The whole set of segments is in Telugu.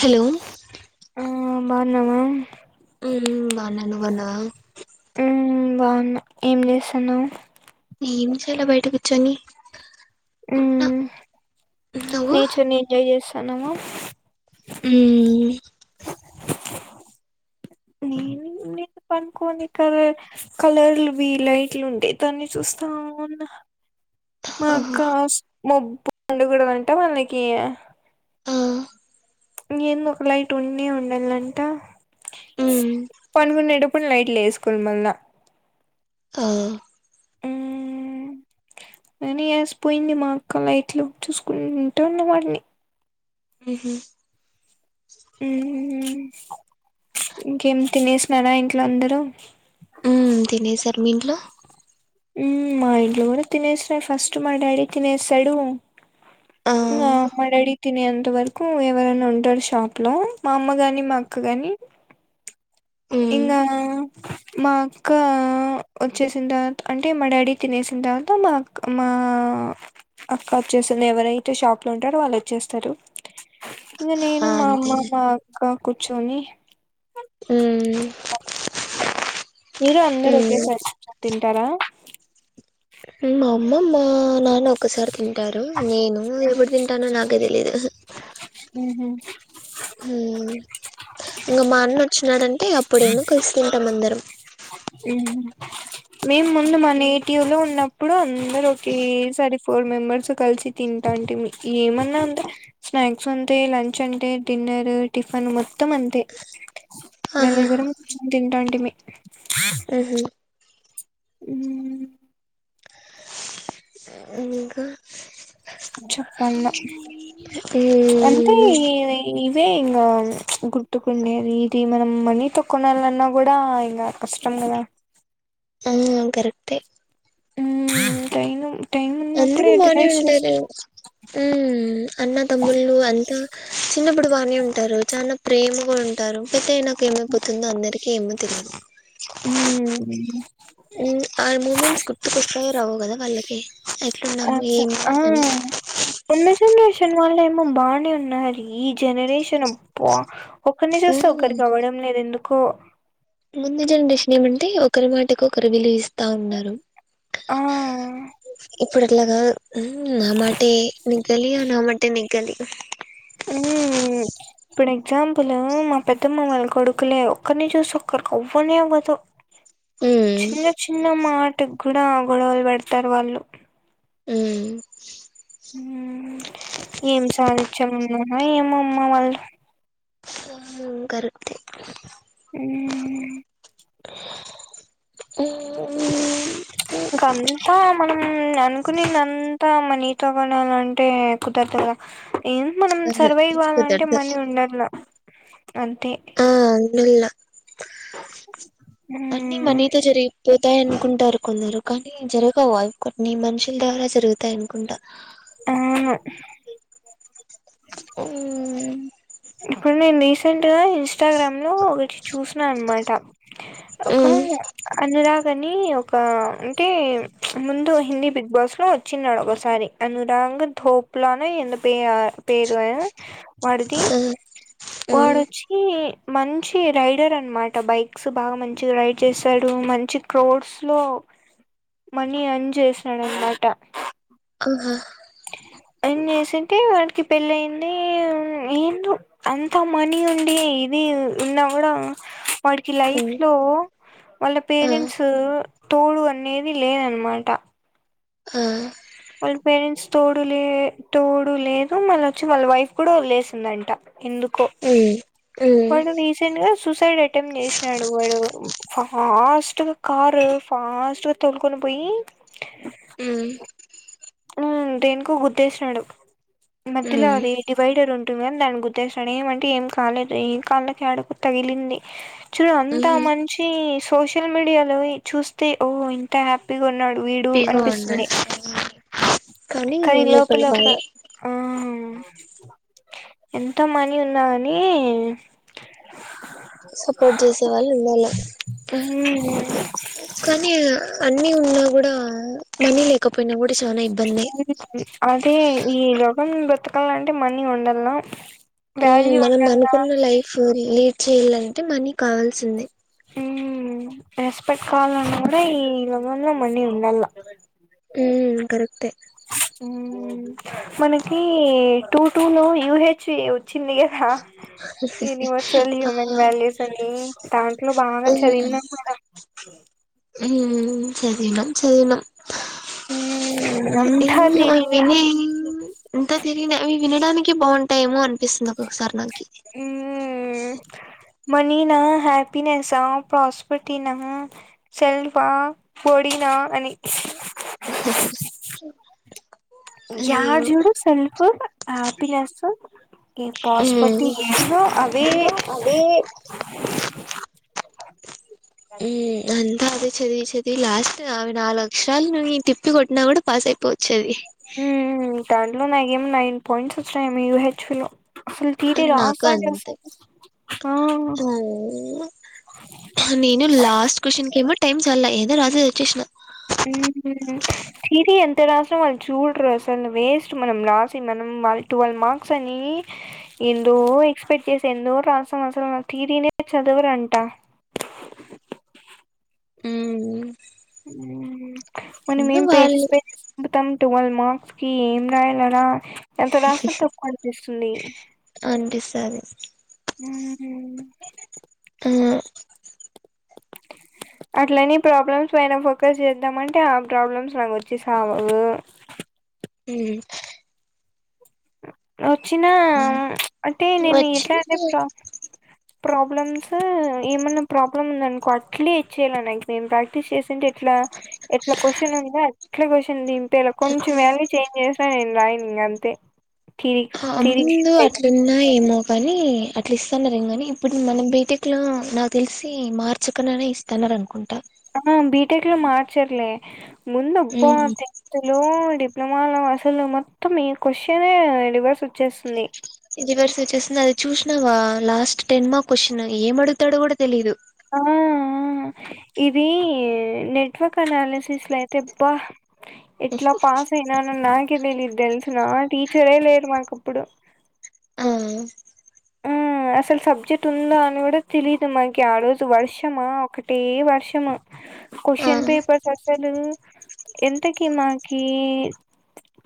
హలో బాగున్నావా అవునా హ్మ్మ్ బాగున్నా ఏం చేస్తున్నావ్ ఎమి చేయాలా బయట కూర్చొని ఉ న నువ్వు నేచర్ ని ఎంజాయ్ చేస్తాన్నావ మ్మ్ పనుకొని కలర్లువి లైట్లు ఉండే దాన్ని చూస్తా ఉన్నా ఆ మాక్క మబ్బ ఉండకూడదు అంటా వాళ్ళకి ఆ ఏందు ఒక లైట్ ఉండే ఉండాలంట మ్మ్ పడుకొనేటప్పుడు లైట్ లేేసుకొని మల్ల ఆ కానీ వేసిపోయింది మా అక్క లైట్లు చూసుకుంటా ఉన్న వాటిని హహ ఇంకేం తినేసినారా ఇంట్లో అందరూ ఉ తినేసార్ మీ ఇంట్లో మా ఇంట్లో కూడా తినేసినారు ఫస్ట్ మా డాడీ తినేస్తాడు ఆ మా డాడీ తినేంత వరకు ఎవరనా ఉంటారు షాప్ లో మా అమ్మ గాని మా అక్క కానీ [inaudible] ఇంకా మా అక్క వచ్చేసి తర్వాత అంటే మా డాడీ తినేసింది తర్వాత మా అ మా అక్క వచ్చేసింది ఎవరైతే షాప్ లో ఉంటారో వాళ్ళు వచ్చేస్తారు [inaudible] ఇంకా నేను ఆ మా అమ్మ అంతేలే మా అక్క కూర్చొని మ్మ్ [inaudible] మీరు అందరు మ్మ్ ఒకేసారి తింటారా మా అమ్మ మా నాన్న ఒక్కసారి తింటారు నేను ఎప్పుడు తింటానో నాకే తెలీదు ఉహ ఇంకా మా అన్న వచ్చినాడంటే అప్పుడేమో కలిసి తింటాం అందరం మేము ముందు మా నేటియలో ఉన్న అప్పుడు అందరు ఒకేసారి ఫోర్ మెంబర్స్ కలిసి తింటాంటే ఏమన్నా ఉంద స్నాక్స్ అంతే లంచ్ అంటే డిన్నర్ టిఫిన్ మొత్తం అంతే ఆహా నలుగురుం కూర్చొని తింటాంటిమీ ఆహ ఉ ఇంకా చెప్పల్ల అంటే మ్మ్ అదే ఇంకా గుర్తుకుండేది ఇది మనం మనీతో కొనాలన్నా కూడా ఇంకా కష్టం కదా ఆ కరెక్టే హ్మ్మ్ అందరూ బానే ఉంటారు ఉ అన్న తమ్ముళ్ళు అంతా చిన్నప్పుడు బానే ఉంటారు చాలా ప్రేమ ఉంటారు పెద్ద అయినాక ఏమైపోతుందో అందరికీ ఏమో తెలియదు హ ఆ మూమెంట్స్ గుర్తుకు వస్తాయో రావో కదా వాళ్ళకి అట్లున్నాము ఏమి అని అ [unintelligible] జనరషన్ వాళ్ే బానే ఉన్నారు ఈ జనరేషన్ ఒకరిని చూస్తే ఉమ్ ఒకరికి అవ్వడం లేదు ఎందుకు కు ముందు జనరేషన్ ఏమంటే ఒకరి మాటకి ఒకరు విలువ ఇస్తంది తా ఉన్నారు ఆ ఇప్పుడు అట్లాగా నా మా నికలి నా మా నికలి ఉ ఇప్పుడు ఎగ్జాంపుల్ మా పెద్దమ్మ వాళ్ళ కొడుకులే ఒక్కరిని చూసి ఒక్కరికి అవ్వని అవ్వదు ఉమ్ చిన్న చిన్న మాట కూడా గొడవలు పెడతారు వాళ్ళు హ్మ్మ్ ఏం సాధించ్యం ఉన్నామా ఏమమ్మా వాళ్ళు న కరుతే అ ఉమ్ ఉమ్ ఉమ్, ఇంక అంతా మనం అనుకుని అంతా మనీ కొత్త కొణాల అంటే కుదరతగా ఏం మనం సర్వైవ్ కావాలంటే కుదరదు మనీ ఉండలా ఆ అల అన్నిీ మ్మ్. మనీతో జరిగిపోతాయ అనుకుంటారు కొందరు కానీ జరగవు ఇ నీ మనుషుల ద్వారా జరుగుతాయి అనుకుంటా అవును ఆ ఇప్పుడు నేను రీసెంట్ గా ఇన్స్టాగ్రామ్ ఒకటి చూసిన అనమాట ఒక మ్మ్ అన్నరాగని ఒక ఒక అంటే ముందు హిందీ బిగ్ బాస్ లో వచ్చిినడు ఒకసారి అనురాగ ధోప్ అప్పులన ఎంత ప పేరు వ మది ఆ మ్మ్ వాడొచ్చి మంచి రైడర్ అనమాట బైక్స్ బాగా మంచి రైడ్ చేశాడు మంచి క్రోడ్స్ లో మనీ ఎర్నా చేసినాడనమాట అహా అని చేసింటే వాడికి పెళ్ళ అయింది ఏం అంతా మనీ ఉండి ఇది ఉన్నా కూడా వాడికి లైఫ్ మ్మ్ లో వాళ్ళ ఆ పేరెంట్స్ తోడు అనేది లేదనమాట ఆ వాళ్ళ పేరెంట్స్ తోడు లే తోడు లేదు మళ్ళ వచ్చి వాళ్ళ వైఫ్ కూడా వదిలేసిందంట ఎందుకో మ్మ్ మ్మ్ వాడు రీసెంట్గా సూసైడ్ అటెంప్ట్ చేసినాడు వాడు ఫాస్ట్గా కార్ ఫాస్ట్ గా తొలుకొని పోయి మ్మ్ దేనికో గుదేసినాడు మధ్యలో మ్మ్ అది డివైడర్ ఉంటుంది దానికి గుద్దేశినాడు ఏమంటే ఏం కాలేదు ఏం కాళ్ళ తడకు తగిలింది చూడు అంత మ్మ్ మంచి సోషల్ మీడియాలో చూస్తే ఓ ఇంత హ్యాపీగా ఉన్నాడు వీడు హ్యాపీగా అనిపిస్తుంది ఉన్నాడు కానీ లోపల ఒక ఆ ఎంతో మనీ ఉన్నా కాని సపోర్ట్ చేసే వాళ్ళు ఉండాల కానీ అన్ని ఉన్నా కూడా మనీ లేకపోయినా కూడా చాలా ఇబ్బందే అదే ఈ రగం బ్రతకాల అంటే మనీ ఉండాలన ఆ మనం అనుకున్న లైఫ్ లీడ్ చేయాలంటే మనీ కావాల్సిందే మ్మ్ రెస్పెక్ కావాలన్న కూడా ఈ ఇ లోగంలో మనీ ఉండల హ్మ్ కరెక్టే మనకి టూ టూలో యూహెచ్ వచ్చింది కదా యూనివర్సల్ హ్యూమన్ ఆ వాల్యూస్ అని దాంట్లో బాగా చదివినాం మేడం మ్మ్ చదివిన చదివిన ఆ ఏమో అవి విని ఇంకా తిరిగి వినడానికి బాగుంటాయేమో అనిపిస్తుంది ఒకొసారి నాకి ఇది మనీ నా హ్యాపీినెస్ా ప్రాస్పర్టీ నా సెల్ఫడి అని అయ్యో యార్ చూడు స్వల్పు హ్యాపీనెస్ పాస్పర్టీ హ్మ్ ఏనా అవే అదే మ్మ్ ఆ అ అదే చదివి చదివి లాస్ట్ అవి నాలుగు అలక్షరాలు నువ ఈ టిప్పి కొట్టినా కూడా పాస్ అయిపోవచ్చ అది మ్మ్ దాంట్లో నాకేం నైన్ పాయింట్స్ వచ్చినాయ యు హెచ్వి లో అసలు తిరే నాకు రాసాంటె అంతే వస్తదే ఆ నేను లాస్ట్ క్వ్చన్కి ఏమో టైమ్ చల్ లా ఏదో రాసేసి వచ్చేసిన మ్మ్ హ్మ్ థియరీ ఎంత రాసం అం చూడరు అసలు వేస్ట్ మనం రాసి మనం ట్వెల్వ్ మార్క్స్ అని ఇందు ఎక్స్పెక్ట్ చేసా ఎందో రాశాం అసలు తీరినే చదవరు అంటా మ్మ్ మని మేం వాళ్ళు పేజెస్ పేజెస్ పెడాతాం టువెల్వ్ మార్క్స్ కి ఏం రాయాలనా ఎంత రాసినా తప్పు అనిపిస్తుంది సరే మ్మ్ ఆ అట్లని ప్రాబ్లమ్స్ పైన ఫోకస్ చేద్దామంటే ఆ ప్రాబ్లమ్స్ నాకు వచ్చి సావవు హ్మ్ వచ్చిన అంటే నేను అట్లా అంటే వచ్చి ప్రోబ్ ప్రాబ్లమ్స్ ఏమన్నా ప్రాబ్లమ్ ఉంది అనుకో అట్లేచ్చయాలి నాకు మేను ప్రాక్టీస్ చేసింటే ఎట్లా ఎట్లా క్వశ్చన్ ఉందో అట్లా క్వశ్చన్ తేల కొంచెం వాల్యూ చేంజ్ చేసాను నేను రాయిను ఇక అంతే థిరీ థిరీకి ముందు షిఫ్ట్ అయిపోతా అట్లున్నా ఏమో కాని అట్లా ఇస్తన్నారు ఏం కాని ఇప్పుడు మన బేటక్ లో నాకు తెలిసి మార్చకనే ఇస్తాన్నారు అనుకుంటా ఆ బిటెక్ లో మార్చర్లే ముందుప్ప మ్మ్ తెన్ లో డిప్ ప్లొమా అసలు మొత్తం ఈ క్వశ్చనే రివర్స్ వచ్చేస్తుంది ఇది వర్స వచ్చేస్తుంది అది చూసినవా లాస్ట్ టెన్ మార్క్ క్వశ్న్ ఏం అడుగుతాడో కూడా తెలీయదు ఆ ఇది నెట్ నెట్వర్క్ అనాలిసిస్ లో అయితే ఎట్లా పాస్ అయినా అ నాకే తెలీదు తెలుసిన టీచరే లేరు మాకప్పుడు ఆ అసలు సబ్జెక్ట్ ఉందా అని కూడా తెలీదు మకి ఆ రోజు వర్షమా ఒకటే వర్షమా ఆ క్వశచన్ పేపర్స్ అసలు ఎంతకి మాకి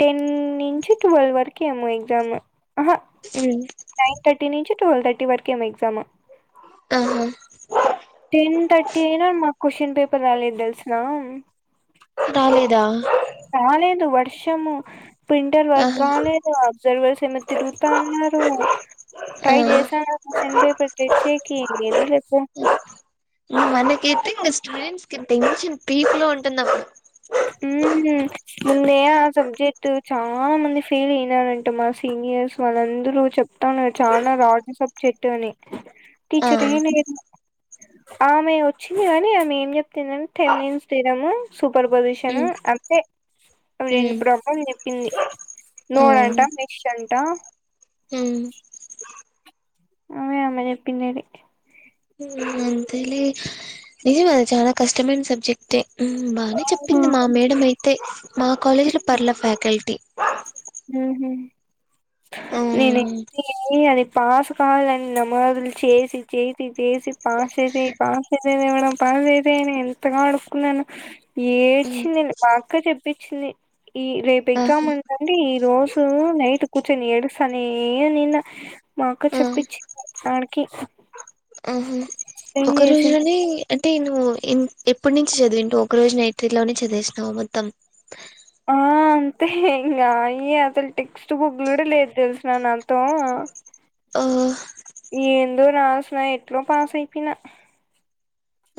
టెన్ నుంచి ట్వెల్వ్ వరకు ఏమో ఎగ్జామ్ అ ట్టువల్థర్టీ వరకు ఏమో ఎగజాము ఆ టెన్ థర్టీ అయినా మాకు క్వశ్చన్ పేపర్ రాలేదు తెల్సా రాలేదా రాలేదు వర్షము ప్రింటర్ వర్క్ ఆహా కాలేదు అబ్జర్వేషన్ తిరుగుతాన్నారు ఆ ట్రై చేశాన్న క్యషన్ పేపర్ తెచ్చేకి ఏంది లేపో ఉహ్మ్ మనకయితే ఇంకా స్టూడెంట్స్ కి టెన్షన్ పీక్ లో ఉంటుంది అప్పుడు ఉహ్మ్ హు ముందే ఆ సబ్జెక్ట్ చాలా మంది ఫెయిల్ అయినారంట మాసి సీనియర్స్ వాళ్ళందరు చెప్తానురు చానా రాడ్ సబ్జెక్ట్ అని ఆ టీచర్ యై లేదు ఆమె వచ్చింది కానీ ఆమె ఏం చెప్తుందంటే టెవన్న్స్ తీరముు పొజిషన్ మ్మ్ అంతే అవి రెండు మ్మ్ ప్రాబ్లం చెప్పింది ఆ నోడంట మిస్ అంట అవే అమే చెప్పినేవి మ్మ్ అంతేలే నిజం తెలుసా కష్టమైన సబ్జెక్ట్ ఏ ఉమ్ బానే అవునా చెప్పింది మా మేడం అయితే మా కాలేజీ లో పర్ల ఫ్యాకల్టీ ఉహ్మ్ హు నేన్ ఉమ్, అయితే అది పాస్ కావాలని నమాజ్లు చేసి చేసి చేసి పాస్ చేసేయి పాస్ చేసేయి దేవుడా పాస్ చేసేయి అనీ ఎంతగా అడుక్కున్నానో ఉమ్, ఏడ్చింది మాక్క చెప్పించింది ఈ రేపు ఆహా, ఎగ్జామ్ ఉండ ఈ రోజు నైట్ కూర్చొని ఏడుసనే ఉన్నినా మాక్క ఆ, చెప్పిచ్చింది ఆడికి ఆహా ఏం ఒక చేసింది రోజులోనే అంటే నువ్వు ఎన్ ఎప్పుటి నుంచి చదివింటవ్ ఒక రోజు నైట్ లోనే చదివేసినవా మొత్తం ఆ అంతే ఇంకా ఈయ అసలు టెక్స్ట్ బుక్లు కూడా లేదు తెలిసిన నాతో ఓ, ఏందో రాసిన ఎట్లో పాస్ అయిపోయినా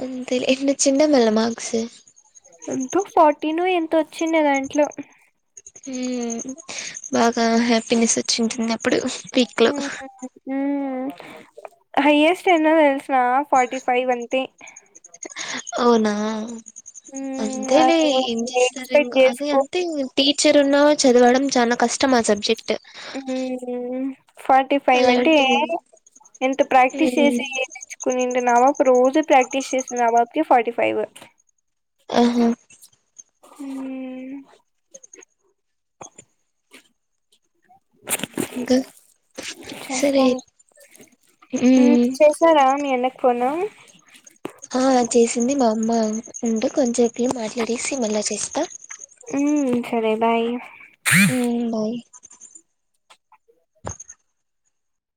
అంతే లే ఎన్నోచిండా మల్ల మార్క్స్ ఎంతో ఫార్టీనో ఎంత వచ్చిండ దాంట్లో ఉమ్ బాగా హ్యాపీనెస్ వచ్చింటందా ఉహ్మ్ ఉమ్ హైయస్ట్ ఎన్నో తెలుసునా ఫార్టీ ఫైవ్ అంతే అవునా అంతేలే మ్మ్ ఏం చేస్తారు ఎక్స్పెక్ట్ ఇంకా అదే చేసుకో అంతే టీచర్ ఉన్నా చదవడం చాలా కష్టం ఆ సబ్జెక్ట్ ఉహ్మ్ ఫార్టీ ఫైవ్ అంటే అలాంటిది ఎంత ప్రాక్టీస్ ఉమ్. చేసి నేర్చ్చుకునింటున్నావు రోజు ప్రాక్టీస్ చేసిన ఆ పాపకి ఫార్టీ ఫైవ్ ఆహా ఉమ్ ఇంకా సరే ఉహ్మ్ ఉమ్ చేేసార మీ అన్నకి ఫోన్ను ఆ చేసింది మా అమ్మ ఉంట కొంచంపు నేన్ మాట్లాడేసి మళ్ళా చేస్తా ఉహ్మ్ సరే బాయ్ ఉమ్ బాయ్